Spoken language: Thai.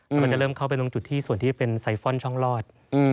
แล้วมันจะเริ่มเข้าไปตรงจุดที่ส่วนที่เป็นไซฟอนช่องลอด